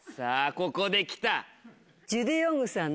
ここで来た。